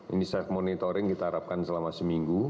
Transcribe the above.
ini self monitoring kita harapkan selama seminggu